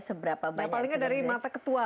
seberapa banyak ya palingnya dari mata ketua